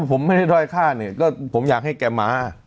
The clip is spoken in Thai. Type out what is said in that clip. ผมไม่ได้ด้อยฆ่าเนี่ยก็ผมอยากให้แก่หมา